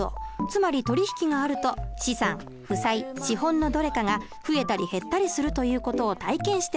つまり取り引きがあると資産負債資本のどれかが増えたり減ったりするという事を体験してもらうためのものです。